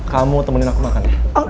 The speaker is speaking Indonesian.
kamu temenin aku makan